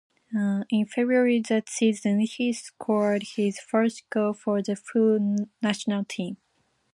In February that season, he scored his first goal for the full national team.